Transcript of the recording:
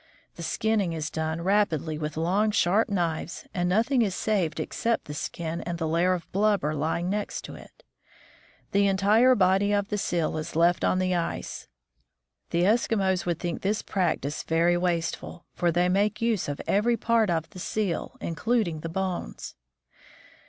The skinning is done rapidly with long, sharp knives, and nothing is saved except the skin and the layer of blubber lying next it. The entire body of the seal is left on the ice. The Eskimos would think this practice very wasteful, for they make use of every part of the seal, including the bones.